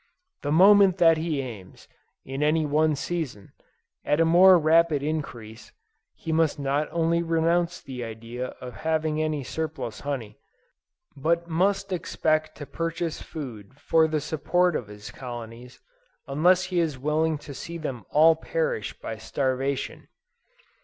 The moment that he aims, in any one season, at a more rapid increase, he must not only renounce the idea of having any surplus honey, but must expect to purchase food for the support of his colonies, unless he is willing to see them all perish by starvation.